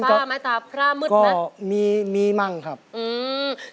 ตาฟ้ามั้ยตาพร่ามึดมั้ยก็มีมั่งครับอืม